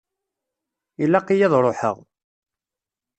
Ilaq-iyi ad ruḥeɣ.